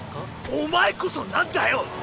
お前こそなんだよ